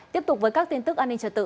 tiếp tục với các tin tức an ninh trật tự